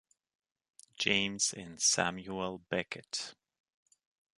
James and Samuel Beckett.